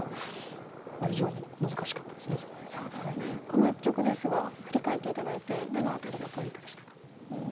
この一局ですが振り返って頂いてどの辺りがポイントでしたか。